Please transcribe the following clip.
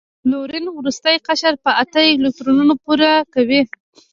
کلورین وروستی قشر په اته الکترونونه پوره کوي.